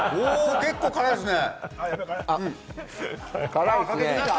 結構辛いですね。